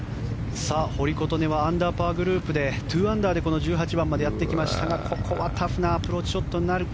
堀琴音はアンダーパーグループで２アンダーでこの１８番までやってきましたがここはタフなアプローチショットになる。